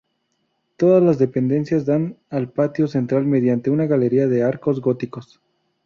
Todas las dependencias dan al patio central mediante una galería de arcos góticos.